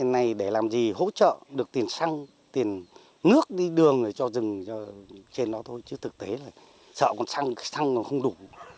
nước đi đường là cho rừng trên đó thôi chứ thực tế là sợ còn xăng xăng nó không đủ